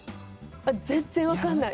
全然分かんない。